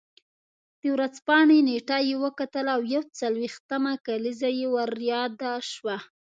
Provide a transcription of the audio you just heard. د ورځپاڼې نېټه یې وکتله او یو څلوېښتمه کلیزه یې ور یاده شوه.